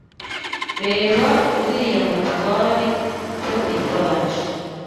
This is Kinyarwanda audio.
Reba uriya mutware ku ifarashi.